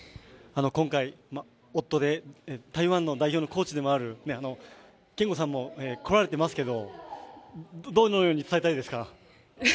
今回夫で、台湾の代表のコーチでもある賢悟さんも来られていますけれども、どのように伝えたいですか？